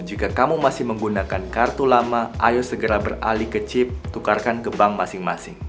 jika kamu masih menggunakan kartu lama ayo segera beralih ke chip tukarkan ke bank masing masing